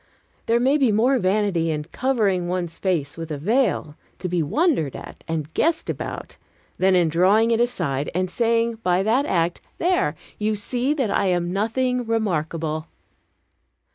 There may be more vanity in covering, one's face with a veil, to be wondered at and guessed about, than in drawing it aside, and saying by that act, "There! you see that I am nothing remarkable."